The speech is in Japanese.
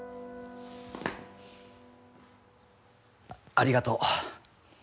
ありがとう。